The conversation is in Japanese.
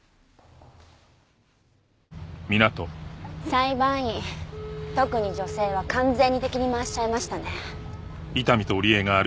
裁判員特に女性は完全に敵に回しちゃいましたね。